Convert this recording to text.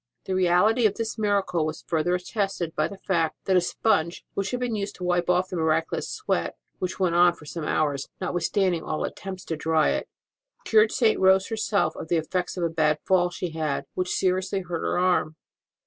The reality of this miracle was further attested by the fact that a sponge which had been used to wipe off the miraculous sweat (which went on for some hours, notwithstanding all attempts to dry it) cured St. Rose herself of the effects of a bad fall she had, which seriously hurt her arm.